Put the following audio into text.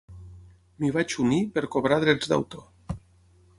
M'hi vaig unir per cobrar drets d'autor.